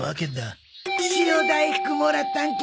塩大福もらったんけ？